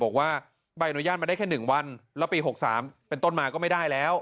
บอกว่าใบอนุญาตมาได้แค่๑วันแล้วปี๖๓เป็นต้นมาก็ไม่ได้แล้ว